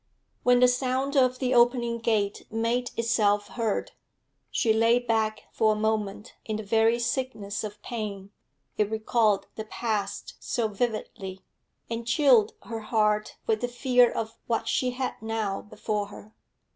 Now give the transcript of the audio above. When the sound of the opening gate made itself heard, she lay back for a moment in the very sickness of pain it recalled the past so vividly, and chilled her heart with the fear of what she had now before her.